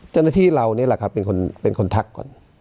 เจ้าหน้าที่เรานี่แหละครับเป็นคนทักก่อน